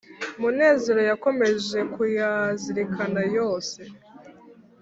munezero yakomeje kuyazirikana yose